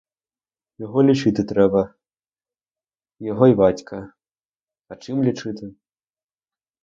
Його лічити треба, і його й батька, а чим лічити?